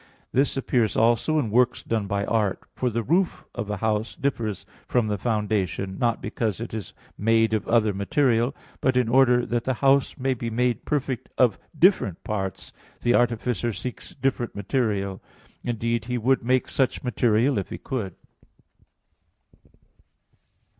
This appears also in works done by art; for the roof of a house differs from the foundation, not because it is made of other material; but in order that the house may be made perfect of different parts, the artificer seeks different material; indeed, he would make such material if he could.